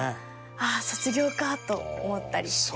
ああ卒業かと思ったりして。